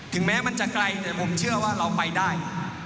แม้มันจะไกลแต่ผมเชื่อว่าเราไปได้